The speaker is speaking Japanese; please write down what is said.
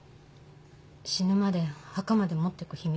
死ぬまで墓まで持ってく秘密だって。